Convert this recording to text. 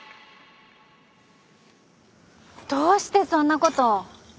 どうしてそんなことを？